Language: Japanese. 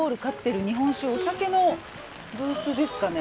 日本酒お酒のブースですかね。